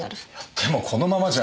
でもこのままじゃ。